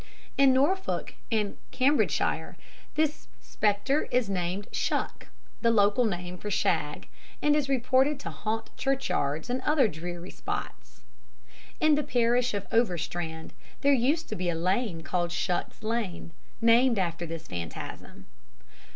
In Norfolk and Cambridgeshire this spectre is named the "Shuck," the local name for Shag and is reported to haunt churchyards and other dreary spots. In the parish of Overstrand, there used to be a lane called "Shuck's Lane," named after this phantasm.